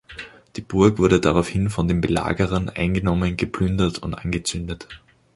Die Burg wurde daraufhin von den Belagerern eingenommen, geplündert und angezündet.